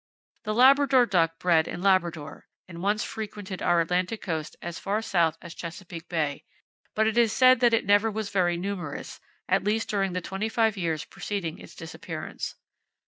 The Labrador duck bred in Labrador, and once frequented our Atlantic coast as far south as Chesapeake Bay; but it is said that it never was very numerous, at least during the twenty five years preceding its disappearance.